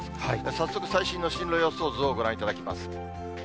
早速最新の進路予想図をご覧いただきます。